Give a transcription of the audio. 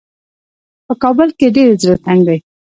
په کابل کې یې ډېر زړه تنګ دی.